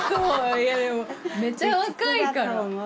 いやでもめちゃ若いから。